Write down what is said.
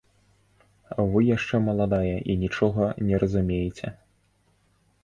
Вы яшчэ маладая і нічога не разумееце!